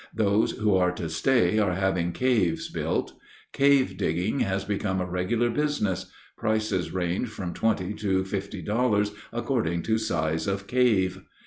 Those who are to stay are having caves built. Cave digging has become a regular business; prices range from twenty to fifty dollars, according to size of cave.